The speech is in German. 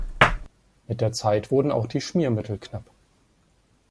Mit der Zeit wurden auch die Schmiermittel knapp.